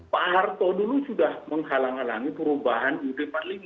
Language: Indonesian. pak harto dulu sudah menghalang halangi perubahan iud empat puluh lima